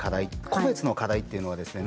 個別の課題というのはですね